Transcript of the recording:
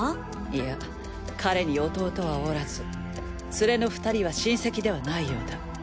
いや彼に弟はおらず連れの２人は親戚ではないようだ。